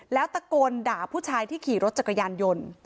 แล้วตะโกนด่าผู้ชายที่ขี่รถจักรยานยนต์